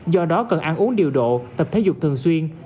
do đó cần ăn uống điều độ tập thể dục thường xuyên